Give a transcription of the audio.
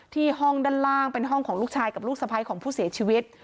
ห้องด้านล่างเป็นห้องของลูกชายกับลูกสะพ้ายของผู้เสียชีวิต